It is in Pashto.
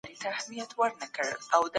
خلګ بايد يو بل ته غوږ ونيسي.